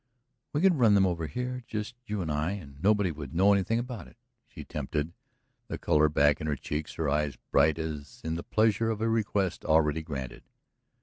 "We could run them over here, just you and I, and nobody would know anything about it," she tempted, the color back in her cheeks, her eyes bright as in the pleasure of a request already granted.